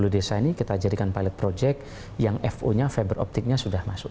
tujuh puluh desa ini kita jadikan pilot project yang fo nya fiber optic nya sudah masuk